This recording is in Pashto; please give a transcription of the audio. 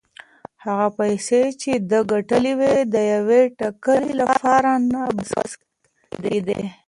هغه پیسې چې ده ګټلې وې د یوې ټکلې لپاره نه بس کېدې.